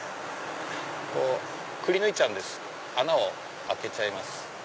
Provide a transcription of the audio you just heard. くりぬいちゃうんです穴を開けちゃいます。